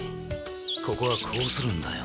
ここはこうするんだよ。